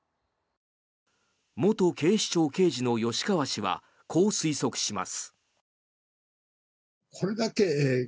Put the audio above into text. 元警視庁刑事の吉川氏はこう推測します。